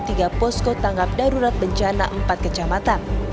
tiga posko tanggap darurat bencana empat kecamatan